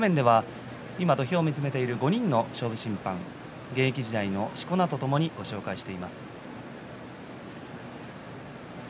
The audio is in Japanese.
土俵を見つめているのは５人の勝負審判現役時代のしこ名とともに紹介しています。